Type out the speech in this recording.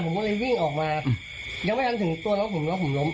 ผมก็เลยวิ่งออกมาอืมยังไม่ทันถึงตัวน้องผมน้องผมล้ม